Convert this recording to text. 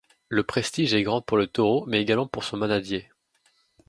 Le prestige est grand pour le taureau mais également pour son manadier.